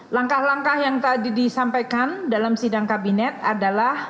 langkah langkah yang tadi disampaikan dalam sidang kabinet adalah